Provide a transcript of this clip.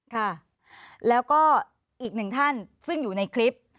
ค่ะแล้วก็อีกหนึ่งท่านซึ่งอยู่ในคลิป